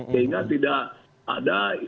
sehingga tidak ada